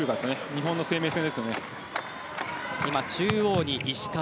日本の生命線です。